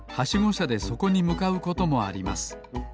しゃでそこにむかうこともあります。